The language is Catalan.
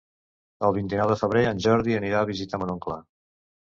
El vint-i-nou de febrer en Jordi anirà a visitar mon oncle.